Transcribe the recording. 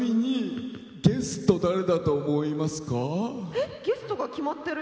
えっゲストが決まってる？